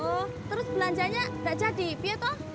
oh terus belanjanya gak jadi pia toh